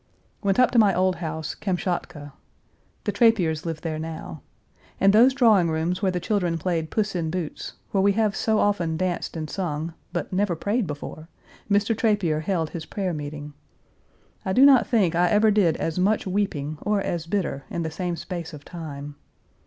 Went up to my old house, "Kamschatka." The Trapiers live there now. In those drawing rooms where the children played Puss in Boots, where we have so often danced and sung, but never prayed before, Mr. Trapier held his prayer meeting. I do not think I ever did as much weeping or as bitter in the same space of time.